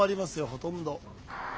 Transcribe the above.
ほとんど。